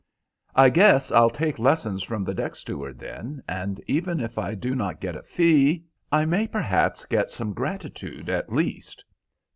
"I guess I'll take lessons from the deck steward then, and even if I do not get a fee, I may perhaps get some gratitude at least."